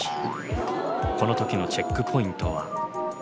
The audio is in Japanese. この時のチェックポイントは？